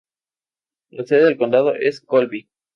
La sede del condado es Colby.